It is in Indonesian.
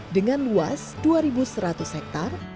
dengan luas dua seratus hektare